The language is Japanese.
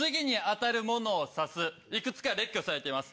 幾つか列挙されています